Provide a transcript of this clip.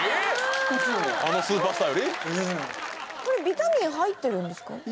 これビタミン入ってるんですか？